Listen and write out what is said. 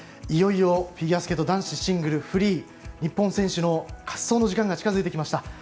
いよいよフィギュアスケート男子シングルフリー日本選手の滑走の時間が近づいてきました。